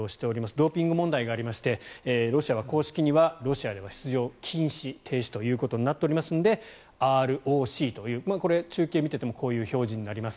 ドーピング問題があってロシアは公式にはロシアでの出場禁止となっていますのでＲＯＣというこれ、中継見ていてもこういう表示になります。